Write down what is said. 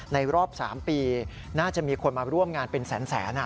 รอบ๓ปีน่าจะมีคนมาร่วมงานเป็นแสน